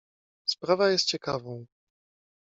"Sprawa jest ciekawą."